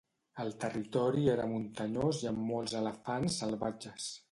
El territori era muntanyós i amb molts elefants salvatges.